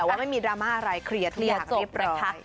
แต่ว่าไม่มีดราม่าอะไรเคลียร์ทุกอย่างเรียบร้อย